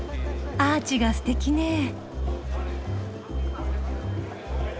アーチがすてきね。